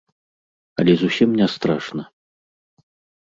Але зусім не страшна.